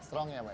strong ya mbak